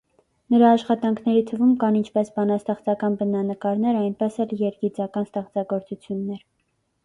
Նրա աշխատանքների թվում կան ինչպես բանաստեղծական բնանկարներ, այնպես էլ երգիծական ստեղծագործություններ։